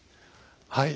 はい。